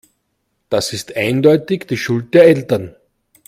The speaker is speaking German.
Das ist eindeutig die Schuld der Eltern.